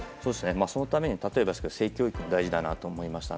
そのためには例えば性教育も大事だなと思いました。